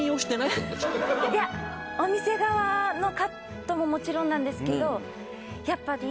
いやお店側のカットももちろんなんですけどやっぱり。